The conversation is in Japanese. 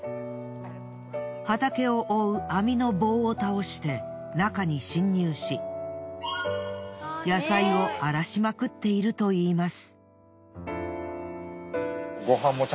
畑を覆う網の棒を倒して中に侵入し野菜を荒らしまくっているといいます。